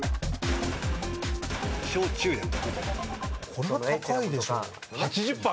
これは高いでしょ。